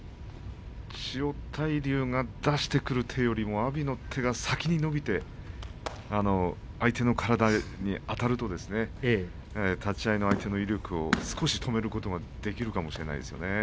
千代大龍が出してくる手よりも阿炎の手が先に伸びて相手の体にあたるとですね立ち合いの相手の威力を少し止めることができるかもしれないですよね。